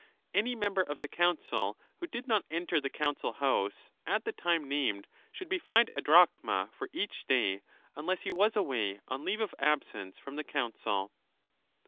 Any member of the Council who did not enter the Council house at the time named should be fined a drachma for each day, unless he was away on leave of absence from the Council.